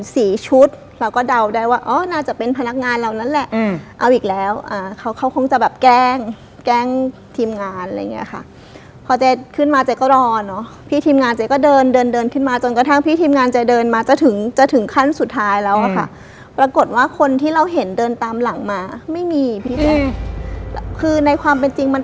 สีชุดเราก็เดาได้ว่าอ๋อน่าจะเป็นพนักงานเรานั่นแหละอืมเอาอีกแล้วอ่าเขาเขาคงจะแบบแกล้งแกล้งทีมงานอะไรอย่างเงี้ยค่ะพอเจ๊ขึ้นมาเจ๊ก็รอเนอะพี่ทีมงานเจ๊ก็เดินเดินเดินขึ้นมาจนกระทั่งพี่ทีมงานเจ๊เดินมาจะถึงจะถึงขั้นสุดท้ายแล้วอะค่ะปรากฏว่าคนที่เราเห็นเดินตามหลังมาไม่มีพี่แจ๊คคือในความเป็นจริงมัน